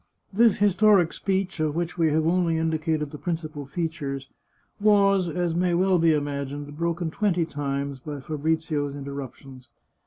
This historic speech, of which we have only indicated the principal features, was, as may well be imagfined, broken twenty times by Fabrizio's interruptions.